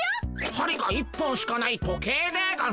はりが１本しかない時計でゴンス。